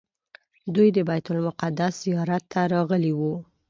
دوی د بیت المقدس زیارت ته راغلي وو.